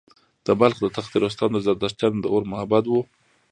د بلخ د تخت رستم د زردشتیانو د اور معبد و